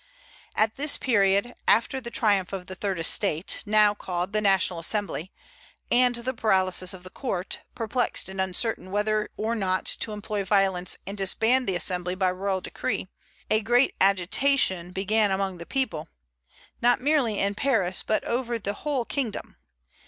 At this period, after the triumph of the Third Estate, now called the National Assembly, and the paralysis of the Court, perplexed and uncertain whether or not to employ violence and disband the assembly by royal decree, a great agitation began among the people, not merely in Paris, but over the whole kingdom.